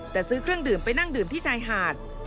แต่ซื้อเครื่องดื่มไปนั่งดื่มที่ชายหาด